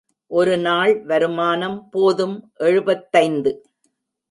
ஒருநாள் வருமானம் போதும் எழுபத்தைந்து.